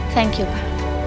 thank you pak